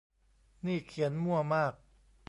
นี่เขียนมั่วมาก